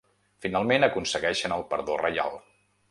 Finalment aconsegueixen el perdó reial.